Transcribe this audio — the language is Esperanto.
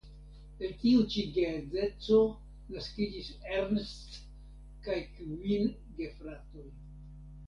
El tiu ĉi geedzeco naskiĝis Ernst kaj kvin gefratoj.